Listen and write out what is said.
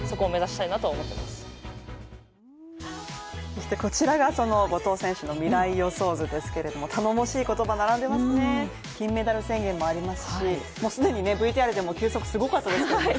そしてこちらが後藤選手の未来予想図ですけれども頼もしい言葉並んでますね、金メダル宣言もありますし、もう既にねＶＴＲでも急速すごかったですね